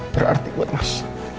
berarti buat mas